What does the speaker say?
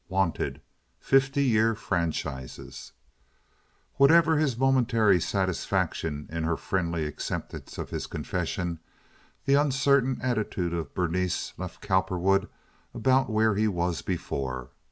Wanted—Fifty year Franchises Whatever his momentary satisfaction in her friendly acceptance of his confession, the uncertain attitude of Berenice left Cowperwood about where he was before.